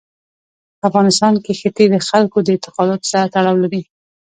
په افغانستان کې ښتې د خلکو د اعتقاداتو سره تړاو لري.